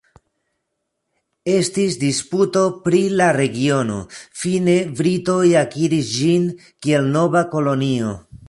Estis disputo pri la regiono, fine britoj akiris ĝin, kiel nova kolonio.